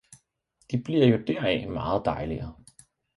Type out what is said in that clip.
de bliver jo deraf meget dejligere.